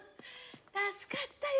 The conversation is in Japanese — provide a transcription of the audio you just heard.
助かったよ。